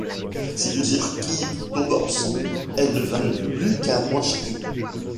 Si plusieurs quilles tombent ensemble, elles ne valent plus qu’un point chacune.